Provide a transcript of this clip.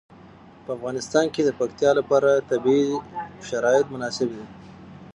په افغانستان کې د پکتیا لپاره طبیعي شرایط مناسب دي.